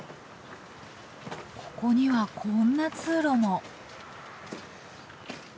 ここにはこんな通路も。